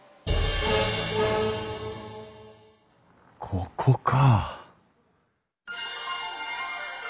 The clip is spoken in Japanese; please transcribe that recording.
ここか。